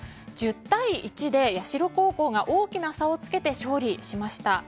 １０対１で社高校が大きな差をつけて勝利しました。